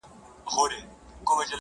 هغې دروغجنې چي په مټ کي دی ساتلی زړه_